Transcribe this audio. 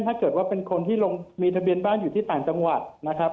ถ้าเกิดว่าเป็นคนที่ลงมีทะเบียนบ้านอยู่ที่ต่างจังหวัดนะครับ